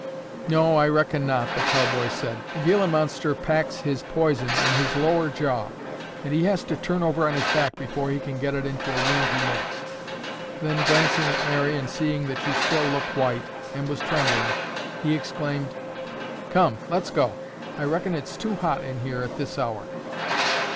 "No, I reckon not," the cowboy said. "A Gila Monster packs his poison in his lower jaw and he has to turn over on his back before he can get it into a wound he makes." Then, glancing at Mary and seeing that she still looked white and was trembling, he exclaimed, "Come, let's go. I reckon it's too hot in here at this hour."